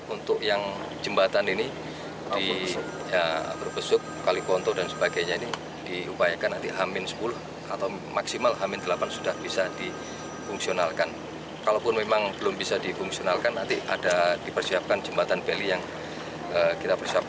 untuk keamanan jalurnya